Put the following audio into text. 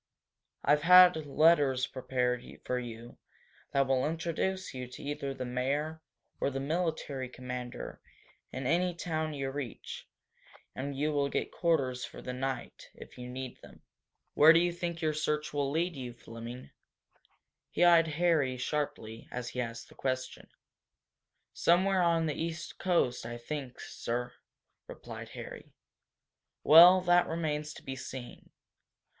I have had letters prepared for you that will introduce you to either the mayor or the military commander in any town you reach and you will get quarters for the night, if you need them. Where do you think your search will lead you, Fleming?" He eyed Harry sharply as he asked the question. "Somewhere on the East coast, I think, sir," replied Harry. "Well, that remains to be seen.